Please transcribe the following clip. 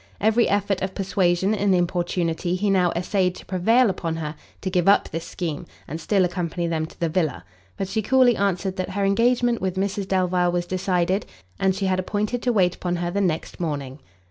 Every effort of persuasion and importunity he now essayed to prevail upon her to give up this scheme, and still accompany them to the villa; but she coolly answered that her engagement with Mrs Delvile was decided, and she had appointed to wait upon her the next morning.